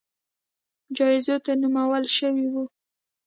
جایزو ته نومول شوي وو